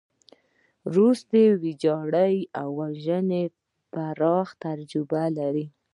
روسان د ویجاړۍ او وژنو پراخه تجربه لري.